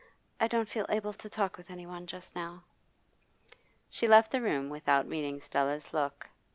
I don't feel able to talk with anyone just now.' She left the room without meeting Stella's look.